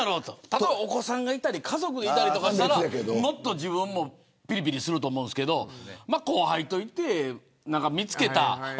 ただ、お子さんがいたり家族がいたりしたらもっと自分もぴりぴりすると思うんですけど後輩といて、見つけた。